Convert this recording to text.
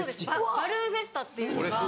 バルーンフェスタっていうのが。